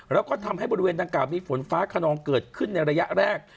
แล้วก็ทำให้บริเวณดังกล่ามีฝนฟ้าขนองเกิดขึ้นในระยะแรก